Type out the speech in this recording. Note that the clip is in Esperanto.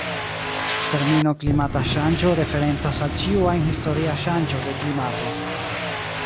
Termino klimata ŝanĝo referencas al ĉiu ajn historia ŝanĝo de klimato.